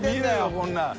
こんなの。